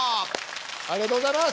ありがとうございます！